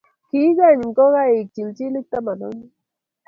Ki ikeny ngokaik chilchilik taman ak mut